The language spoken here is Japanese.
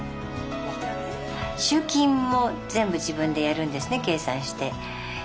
集金も全部自分でやるんですね計算して。